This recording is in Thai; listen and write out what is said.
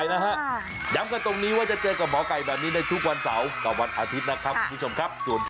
ย้ำกันตรงนี้ว่าจะเจอกับหมอไก่แบบนี้ในทุกวันเสาร์กับวันอาทิตย์นะครับคุณผู้ชมครับ